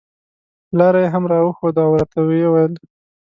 لاره یې هم راښوده او راته یې وویل.